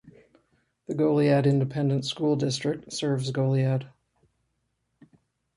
The Goliad Independent School District serves Goliad.